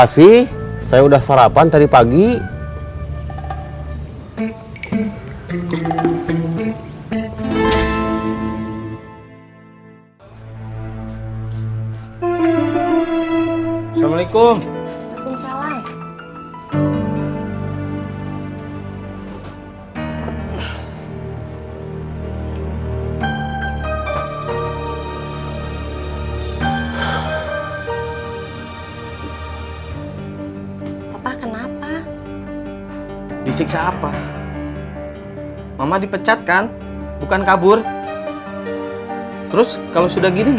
sebelas sudah terkepung